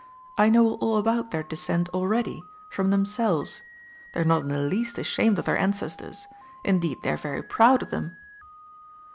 "I know all about their descent already from themselves. They're not in the least ashamed of their ancestors indeed they're very proud of them."